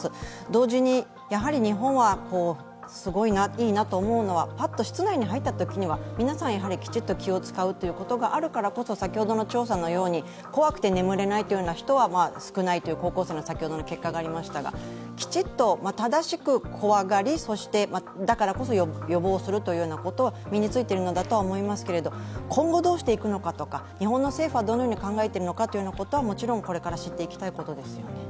同時に、日本はすごいな、いいなと思うのは、パッと室内に入ったときは皆さん気を遣うことがあるからこそ先ほどの調査のように、怖くて眠れないという人は少ないという高校生の先ほどの結果がありましたが、きちっと正しく怖がり、だからこそ予防するということが身についているのだとは思いますけれども、今後どうしていくのかとか日本の政府はどのように考えているのかということはもちろんこれから知っていきたいことですよね。